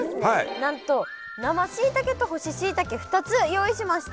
なんと生しいたけと干ししいたけ２つ用意しました。